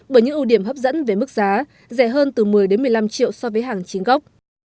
bởi những ưu điểm hấp dẫn về mức giá rẻ hơn từ một mươi một mươi năm triệu so với hàng chính gốc